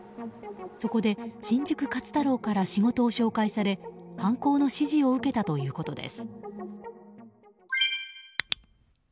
そこで新宿勝太郎から仕事を紹介され犯行の指示を受けたということです。